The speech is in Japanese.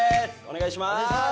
お願いします！